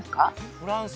フランス？